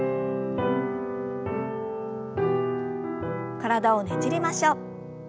体をねじりましょう。